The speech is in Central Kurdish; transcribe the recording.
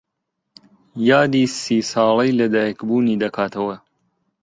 یادی سی ساڵەی لەدایکبوونی دەکاتەوە.